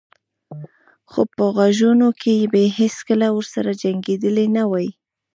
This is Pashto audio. خو په غرونو کې به یې هېڅکله ورسره جنګېدلی نه وای.